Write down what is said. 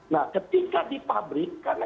nah ketika di pabrik karena